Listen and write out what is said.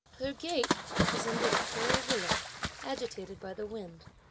Her gait resembled a frail willow, agitated by the wind.